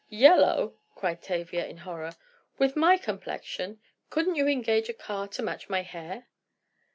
"Yellow!" cried Tavia in horror. "With my complexion! Couldn't you engage a car to match my hair?"